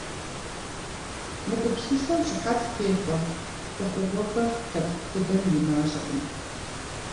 Мы гупсысэм щыхьэт техъуэ ӏуэхугъуэхэр лъэпкъ тхыдэм и мащӏэкъым.